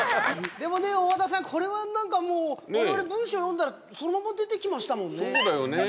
でもね、大和田さんこれは、なんかもう我々、文章を読んだらそのまま出てきましたもんね。